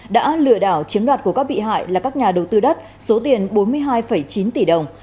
đã lừa đảo chiếm đoạt của các bị hại là các nhà đầu tư đất số tiền bốn mươi hai chín tỷ đồng